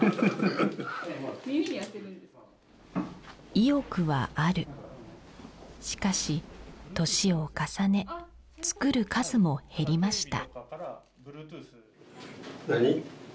意欲はあるしかし年を重ね作る数も減りました何？